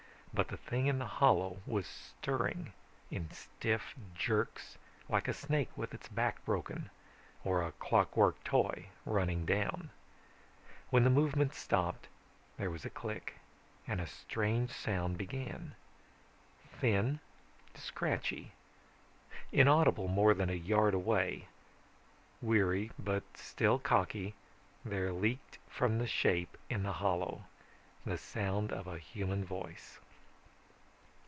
But the thing in the hollow was stirring in stiff jerks like a snake with its back broken or a clockwork toy running down. When the movements stopped, there was a click and a strange sound began. Thin, scratchy, inaudible more than a yard away, weary but still cocky, there leaked from the shape in the hollow the sound of a human voice.